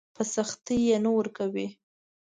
په سختي يې نه ورکوي.